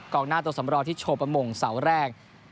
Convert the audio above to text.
กรอกหน้าตัวสำรองที่โฉบประมงเสาแรก